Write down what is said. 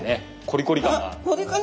コリコリ感。